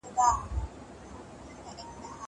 زه به اوږده موده کتابتون ته راغلی وم!